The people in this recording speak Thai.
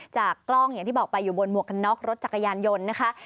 จากกล้องอย่างที่บอกไปอยู่บนหมวกกันน็อกรถจักรยานยนต์นะคะ